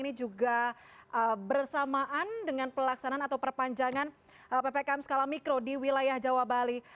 ini juga bersamaan dengan pelaksanaan atau perpanjangan ppkm skala mikro di wilayah jawa bali